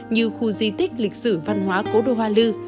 như khu di tích lịch sử văn hóa cố đô hoa lư